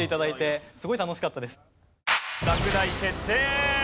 落第決定。